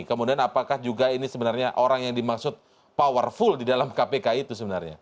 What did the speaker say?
kemudian apakah juga ini sebenarnya orang yang dimaksud powerful di dalam kpk itu sebenarnya